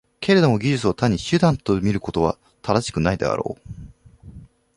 けれども技術を単に手段と見ることは正しくないであろう。